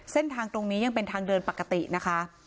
เส้นทางตรงนี้ยังเป็นทางเดินปกตินะคะ